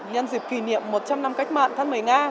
nhân dịp kỷ niệm một trăm linh năm cách mạng tháng một mươi nga